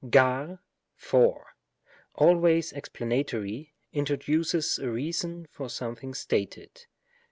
yaQ^ " for," always explanatory, introduces a reason for something stated.